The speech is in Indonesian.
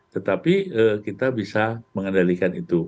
tetapi kita bisa mengendalikan itu